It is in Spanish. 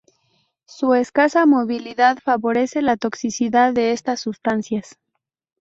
Su escasa movilidad favorece la toxicidad de estas sustancias.